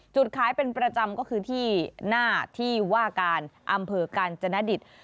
จุดขายเป็นประจำก็คือที่หน้าที่ว่าการอำเภอกาญจนดิต